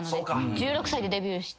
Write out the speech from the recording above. １６歳でデビューして。